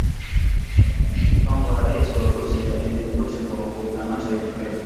Mpango wa Raisi wa Urusi Vladmir Putin wa kuikamata Ukraine